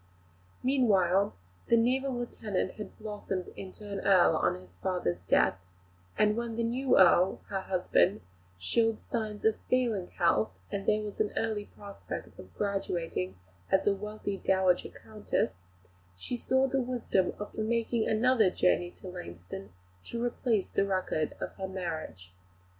Meanwhile, the naval lieutenant had blossomed into an Earl, on his father's death; and when the new Earl, her husband, showed signs of failing health, and there was an early prospect of graduating as a wealthy dowager Countess, she saw the wisdom of making another journey to Lainston to replace the record of her marriage.